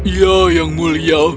ya yang mulia